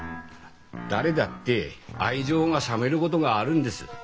誰だって愛情が冷めることがあるんです。